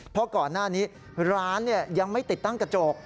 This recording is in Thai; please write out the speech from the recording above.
เพราะก่อนหน้านี้ร้านยังไม่ติดตั้งกระจก